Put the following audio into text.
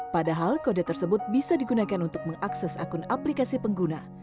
padahal kode tersebut bisa digunakan untuk mengakses akun aplikasi pengguna